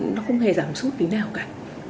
nó không hề giảm suốt tí nào cả